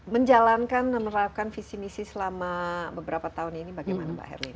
menjalankan dan menerapkan visi misi selama beberapa tahun ini bagaimana mbak herlina